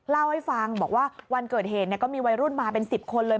เล่าให้ฟังบอกว่าวันเกิดเหตุก็มีวัยรุ่นมาเป็น๑๐คนเลย